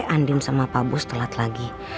andim sama pak bus telat lagi